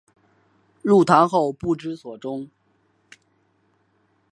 入唐后不知所终。